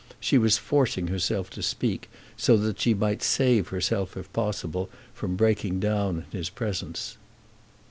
She was forcing herself to speak so that she might save herself, if possible, from breaking down in his presence.